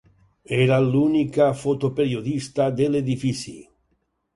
Era l'única fotoperiodista de l'edifici.